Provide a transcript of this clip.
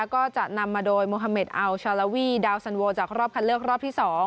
ก็จะนำมาโดยโมฮาเมดอัลชาลาวีดาวสันโวจากรอบคันเลือกรอบที่๒